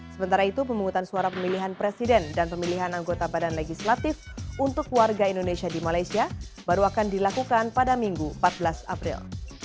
sementara itu pemungutan suara pemilihan presiden dan pemilihan anggota badan legislatif untuk warga indonesia di malaysia baru akan dilakukan pada minggu empat belas april